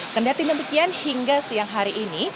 kendati demikian hingga siang hari ini